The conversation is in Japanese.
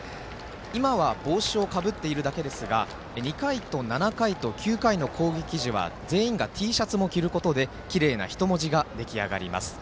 今は帽子をかぶっているだけですが２回と７回と９回の攻撃時は全員がＴシャツを着ることできれいな人文字が出来上がります。